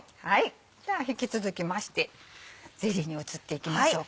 じゃあ引き続きましてゼリーに移っていきましょうかね。